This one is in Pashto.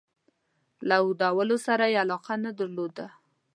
له اوږدولو سره علاقه نه درلوده.